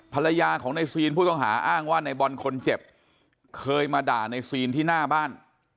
ภรรยาของในซีนผู้ต้องหาอ้างว่าในบอลคนเจ็บเคยมาด่าในซีนที่หน้าบ้าน